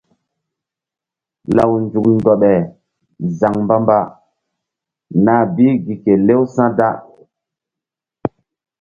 Law nzuk ndoɓe zaŋ mbamba nah bi gi kelew sa̧ da.